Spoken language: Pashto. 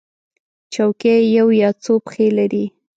چوکۍ یو یا څو پښې لري.